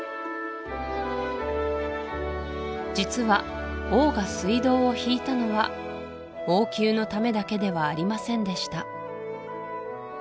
実は王が水道を引いたのは王宮のためだけではありませんでした